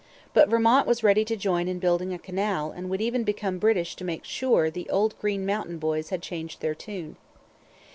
But Vermont was ready to join in building a canal and would even become British to make sure. The old Green Mountain Boys had changed their tune.